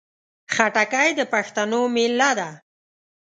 خټکی د پښتنو مېله ده.